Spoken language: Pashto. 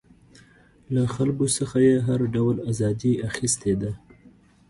له خلکو څخه یې هر ډول ازادي اخیستې ده.